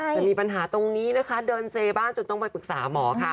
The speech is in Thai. จะมีปัญหาตรงนี้นะคะเดินเซบ้านจนต้องไปปรึกษาหมอค่ะ